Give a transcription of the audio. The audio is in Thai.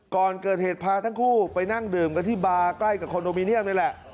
ก่อนเกิดเหตุพาทั้งคู่ไปนั่งดื่มกันที่บาร์ใกล้กับคอนโดมิเนียมนี่แหละ